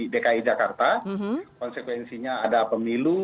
dki jakarta konsekuensinya ada pemilu